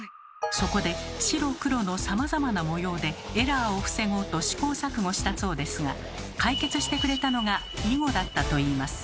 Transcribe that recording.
そこで白黒のさまざまな模様でエラーを防ごうと試行錯誤したそうですが解決してくれたのが囲碁だったといいます。